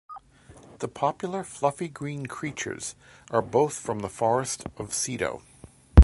The popular fluffy green creatures are both from the forest of Seto.